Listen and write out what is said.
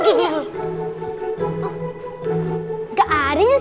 kenapa malam malam lari lari bawa tas